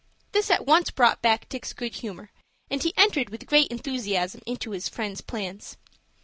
This at once brought back Dick's good humor, and he entered with great enthusiasm into his friend's plans.